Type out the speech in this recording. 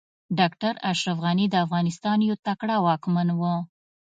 ډاکټر اشرف غني د افغانستان يو تکړه واکمن و